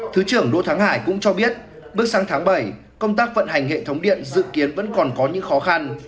thứ trưởng đỗ thắng hải cũng cho biết bước sang tháng bảy công tác vận hành hệ thống điện dự kiến vẫn còn có những khó khăn